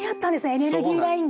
エネルギーラインが。